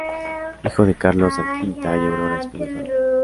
Hijo de Carlos Alquinta y Aurora Espinoza Rojas.